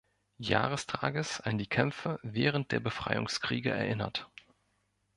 Jahrestages an die Kämpfe während der Befreiungskriege erinnert.